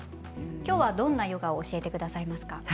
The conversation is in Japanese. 今日は、どんなヨガを教えてくださいますか？